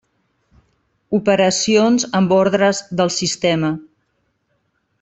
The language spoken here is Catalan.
Operacions amb ordres del sistema.